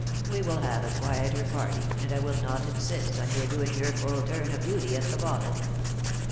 We will have a quieter party, and I will not insist on your doing your full turn of duty at the bottle."